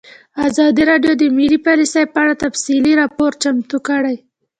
ازادي راډیو د مالي پالیسي په اړه تفصیلي راپور چمتو کړی.